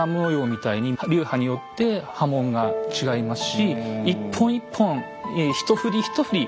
みたいに流派によって刃文が違いますし一本一本一振り一振り